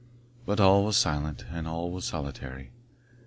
But all was silent, and all was solitary.